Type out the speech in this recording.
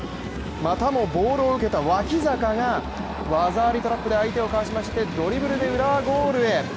またもボールを受けた脇坂が技ありトラップで相手をかわしましてドリブルで浦和ゴールへ。